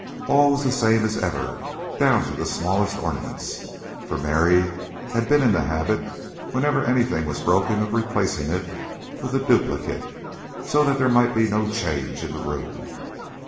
All was the same as ever, down to the smallest ornaments, for Mary had been in the habit whenever anything was broken of replacing it with a duplicate, so that there might be no change in the room.